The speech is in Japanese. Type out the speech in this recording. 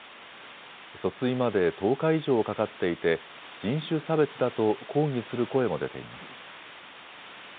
訴追まで１０日以上かかっていて人種差別だと抗議する声も出ています。